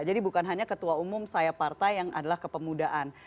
jadi bukan hanya ketua umum saya partai yang adalah kepemudaan